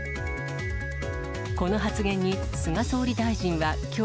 この発言に、菅総理大臣はきょう。